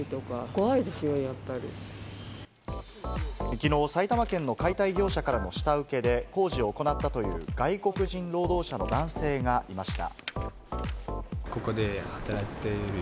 きのう、埼玉県の解体業者からの下請けで工事を行ったという外国人労働者の男性がいました。